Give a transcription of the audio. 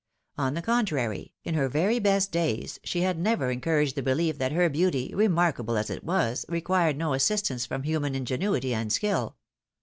On the contrary, in her very best days she had never encouraged the belief that her beauty, remarkable as it was, required no assistance from human ingenuity and skill.